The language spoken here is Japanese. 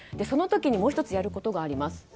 その時にもう１つやることがあります。